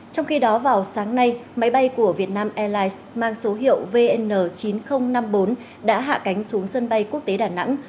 trong khi đó vào sáng nay máy bay của vietnam airlines mang số hiệu vn chín nghìn năm mươi bốn đã hạ cánh xuống sân bay quốc tế đà nẵng